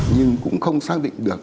nhưng cũng không xác định được